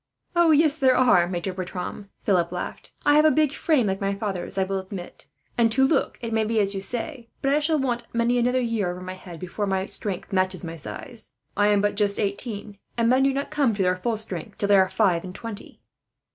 "Oh, yes, there are, Maitre Bertram," Philip laughed. "I have a big frame like my father's, I will admit; and to look at, it may be as you say; but I shall want many another year over my head, before my strength matches my size. I am but just eighteen, and men do not come to their full strength till they are five and twenty."